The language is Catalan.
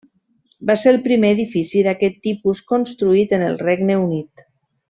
Va ser el primer edifici d'aquest tipus construït en el Regne Unit.